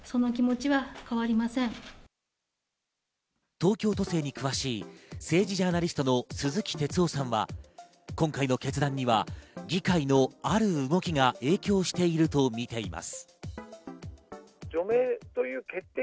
東京都政に詳しい政治ジャーナリストの鈴木哲夫さんは今回の決断には議会のある動きが影響しているとみています。